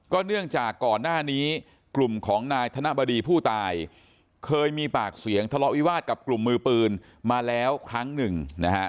เนื่องจากก่อนหน้านี้กลุ่มของนายธนบดีผู้ตายเคยมีปากเสียงทะเลาะวิวาสกับกลุ่มมือปืนมาแล้วครั้งหนึ่งนะฮะ